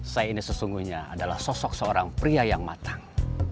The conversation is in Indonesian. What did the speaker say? saya ini sesungguhnya adalah sosok seorang pria yang matang